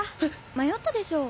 迷ったでしょ？